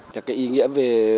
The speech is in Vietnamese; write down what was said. cái ý nghĩa về